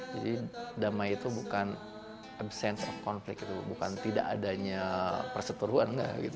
jadi damai itu bukan absence of konflik bukan tidak adanya perseturuan